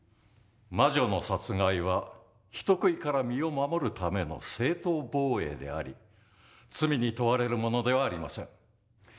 魔女の殺害は人食いから身を守るための正当防衛であり罪に問われるものではありません。